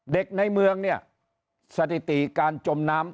ในเมืองเนี่ยสถิติการจมน้ำ